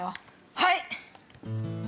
はい！